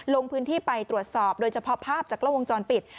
ลงพื้นที่ไปตรวจสอบโดยเฉพาะภาพจากกล้องวงจรปิด